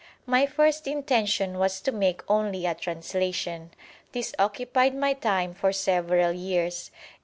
My first intention was to make only a translation. This occupied my time for several years.